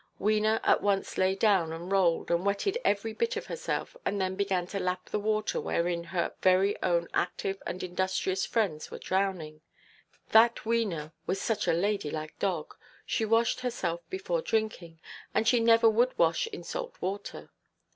Wena at once lay down and rolled, and wetted every bit of herself; and then began to lap the water wherein her own very active and industrious friends were drowning. That Wena was such a ladylike dog; she washed herself before drinking, and she never would wash in salt water.